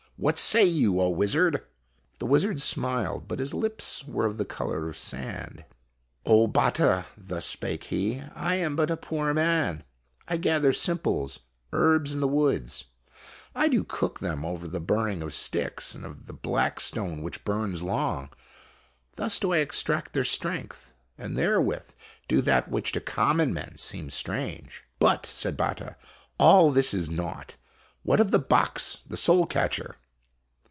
What say you, O Wizard ?" The wizard smiled, but his lips were of the color of sand. " O Batta," thus spake he, " I am but a poor man. I gather simples, herbs in the woods. I do cook them over the burning of sticks and of the black stone which burns long. Thus do I extract their strength, and therewith do that which to common men seems strange." "But," said Batta, "all this is naught. What of the box the soul catcher?